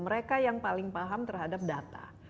mereka yang paling paham terhadap data